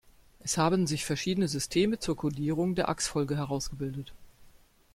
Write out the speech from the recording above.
Es haben sich verschiedene Systeme zur Codierung der Achsfolge herausgebildet.